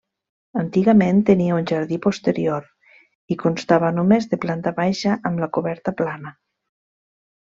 Antigament tenia un jardí posterior, i constava només de planta baixa amb la coberta plana.